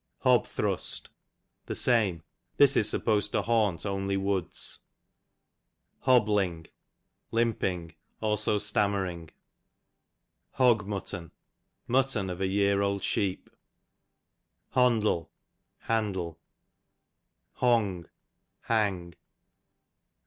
Hobthrust, the same ; this is sup posed to haunt only woods. Hobbling, limping ; also stammer ing. Hog Mutt'n, mutton of a year old Hondle, handle. Hong, hang.